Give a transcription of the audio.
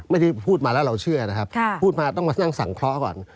ไม่ได้พูดมาแล้วเราเชื่อนะครับพูดมาต้องมานั่งสังเคราะห์ก่อน